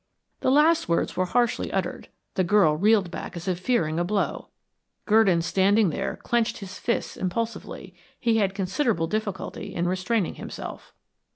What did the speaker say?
The last words were harshly uttered; the girl reeled back as if fearing a blow. Gurdon standing there clenched his fists impulsively; he had considerable difficulty in restraining himself.